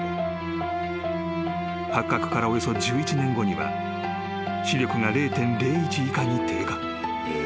［発覚からおよそ１１年後には視力が０．０１以下に低下］